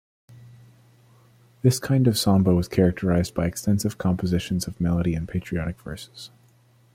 This kind of samba was characterized by extensive compositions of melody and patriotic verses.